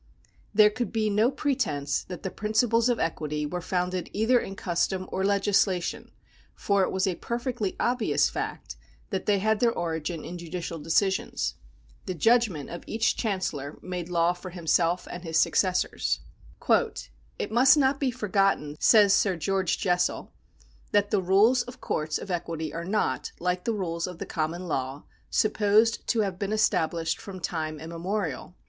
There could be no pretence that the principles of equity were founded either in custom or legislation, for it was a perfectly obvious fact that they had their origin in judicial decisions. The judgments of each Chancellor made law for himself and his successors. " It must not be forgotten," says Sir George Jessel, " that the rules of courts of equity are not, like the rules of the common law, supposed to have been estabhshed from time immemorial.